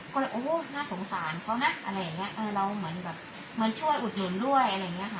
ก็เลยโอ้น่าสงสารเขานะอะไรอย่างเงี้เออเราเหมือนแบบเหมือนช่วยอุดหนุนด้วยอะไรอย่างนี้ค่ะ